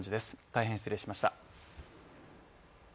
大変失礼しました。